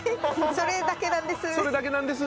それだけなんです。